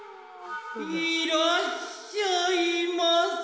・いらっしゃいませ！